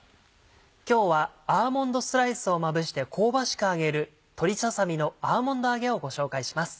今日はアーモンドスライスをまぶして香ばしく揚げる「鶏ささ身のアーモンド揚げ」をご紹介します。